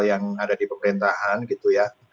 yang ada di pemerintahan gitu ya